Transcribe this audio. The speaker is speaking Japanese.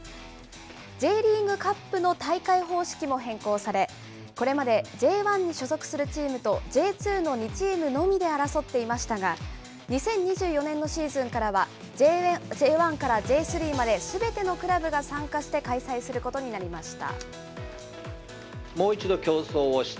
Ｊリーグカップの大会方式も変更され、これまでＪ１に所属するチームと、Ｊ２の２チームのみで争っていましたが、２０２４年のシーズンからは、Ｊ１からＪ３まですべてのクラブが参加して開催することになりました。